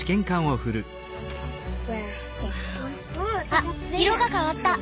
あっ色が変わった。